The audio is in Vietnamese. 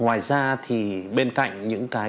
ngoài ra thì bên cạnh những cái